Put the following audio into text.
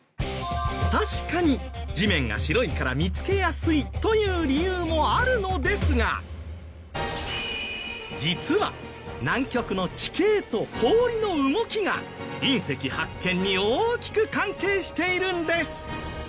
確かに地面が白いから見つけやすいという理由もあるのですが実は南極の地形と氷の動きが隕石発見に大きく関係しているんです。